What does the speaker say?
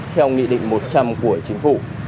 trăm của chính phủ